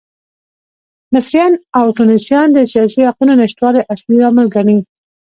مصریان او ټونسیان د سیاسي حقونو نشتوالی اصلي لامل ګڼي.